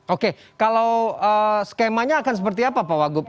oke kalau skemanya akan seperti apa pak wagub